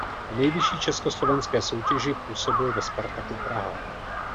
V nejvyšší československé soutěži působil ve Spartaku Praha.